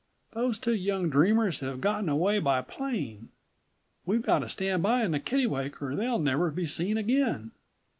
Those two young dreamers have gotten away by plane. We've got to stand by in the Kittlewake or they'll never be seen again.